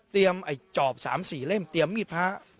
เตรียมไอ้จอบสามสี่เล่มเตรียมมีดพ้า